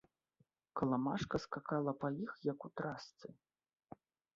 Каламажка скакала па іх, як у трасцы.